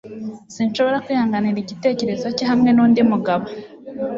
Sinshobora kwihanganira igitekerezo cye hamwe nundi mugabo.